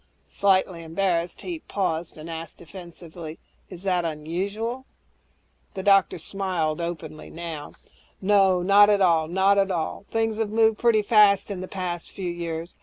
Slightly embarrassed, he paused and asked defensively, "Is that unusual?" The doctor smiled openly now, "Not at all, not at all. Things have moved pretty fast in the past few years.